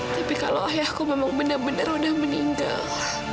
tapi kalau ayahku memang benar benar udah meninggal